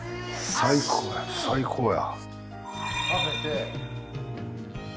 最高や。